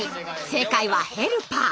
正解は「ヘルパー」！